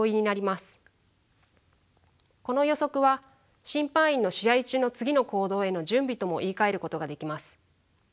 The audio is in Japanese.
この予測は審判員の試合中の次の行動への準備とも言いかえることができます。